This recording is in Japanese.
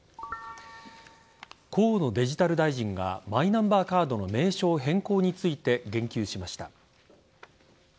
河野デジタル大臣がマイナンバーカードの名称変更について言及しました。